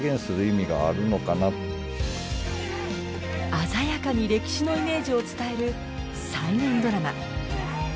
鮮やかに歴史のイメージを伝える再現ドラマ。